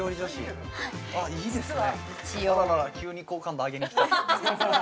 あいいですね